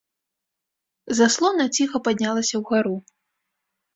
Заслона ціха паднялася ўгару.